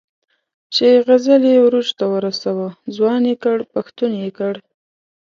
چې غزل یې عروج ته ورساوه، ځوان یې کړ، پښتون یې کړ.